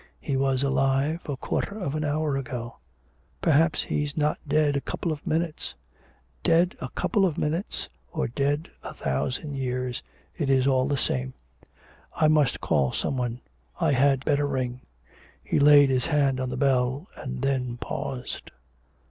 He was alive a quarter of an hour ago. Perhaps he's not dead a couple of minutes. Dead a couple of minutes or dead a thousand years, it is all the same. I must call some one. I had better ring.' He laid his hand on the bell, and then paused.